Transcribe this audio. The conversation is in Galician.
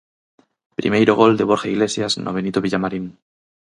Primeiro gol de Borja Iglesias no Benito Villamarín.